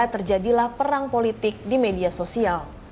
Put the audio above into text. buzzer juga menyebar perang politik di media sosial